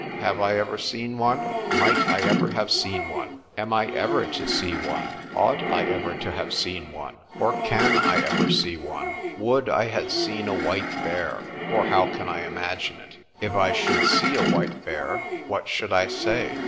Have I ever seen one? Might I ever have seen one? Am I ever to see one? Ought I ever to have seen one? Or can I ever see one? Would I had seen a white bear! (for how can I imagine it?) If I should see a white bear, what should I say?